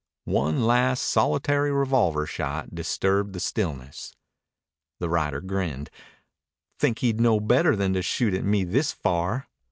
One last solitary revolver shot disturbed the stillness. The rider grinned. "Think he'd know better than to shoot at me this far."